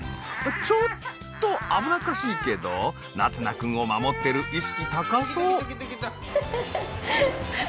ちょっと危なっかしいけど凪維君を守ってる意識高そう！